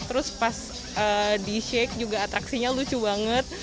terus pas di shake juga atraksinya lucu banget